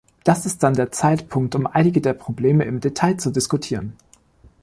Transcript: Das ist dann der Zeitpunkt, um einige der Probleme im Detail zu diskutieren.